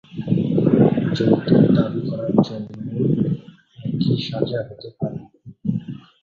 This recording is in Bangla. যৌতুক দাবী করার জন্যও একই সাজা হতে পারে।